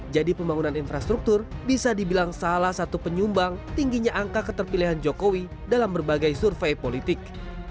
jadi pembangunan infrastruktur bisa dibilang salah satu penyumbang tingginya angka keterpilihan jokowi dalam berbagai survei politik